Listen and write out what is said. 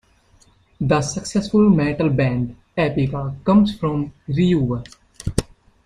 The successful metal band Epica comes from Reuver.